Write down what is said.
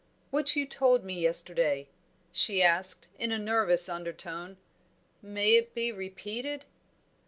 "What you told me yesterday," she asked, in a nervous undertone, "may it be repeated?"